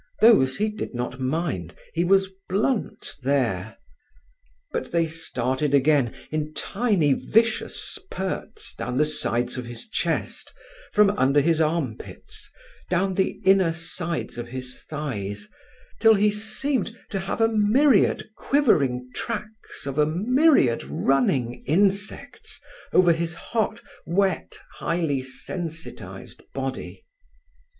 Those he did not mind: he was blunt there. But they started again, in tiny, vicious spurts, down the sides of his chest, from under his armpits, down the inner sides of his thighs, till he seemed to have a myriad quivering tracks of a myriad running insects over his hot, wet, highly sensitized body.